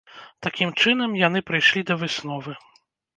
Такім чынам, яны прыйшлі да высновы.